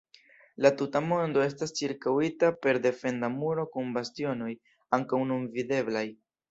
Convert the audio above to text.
La tuta monto estas ĉirkaŭita per defenda muro kun bastionoj, ankaŭ nun videblaj.